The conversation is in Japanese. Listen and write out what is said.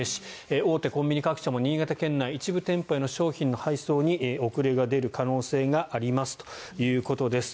大手コンビニ各社も新潟県の一部店舗への商品配送に遅れが出る可能性がありますということです。